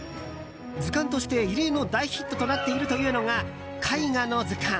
図鑑として、異例の大ヒットとなっているというのが絵画の図鑑。